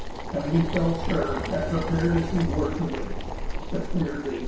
And we felt sure that, prepared as we were to wait, the clear day would come.